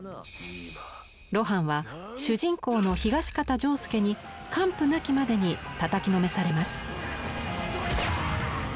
露伴は主人公の東方仗助に完膚なきまでにたたきのめされます。